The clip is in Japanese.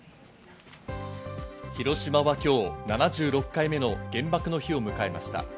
広島は今日、７６回目の原爆の日を迎えました。